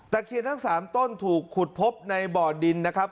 เคียนทั้ง๓ต้นถูกขุดพบในบ่อดินนะครับ